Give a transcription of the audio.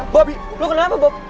bobi lu kenapa bob